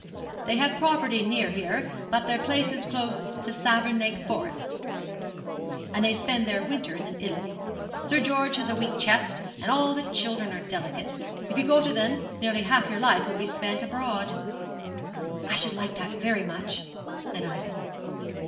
'They have property near here, but their place is close to Savernake Forest, and they spend their winters in Italy. Sir George has a weak chest, and all the children are delicate. If you go to them, nearly half your life will be spent abroad.' 'I should like that very much,' said Ida.